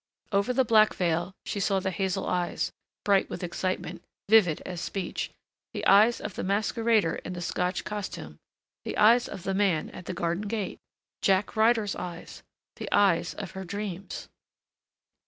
Over the black veil she saw the hazel eyes, bright with excitement, vivid as speech; the eyes of the masquerader in the Scotch costume, the eyes of the man at the garden gate Jack Ryder's eyes ... the eyes of her dreams.